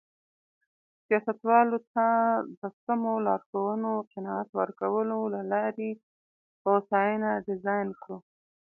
سیاستوالو ته د سمو لارښوونو قناعت ورکولو له لارې هوساینه ډیزاین کړو.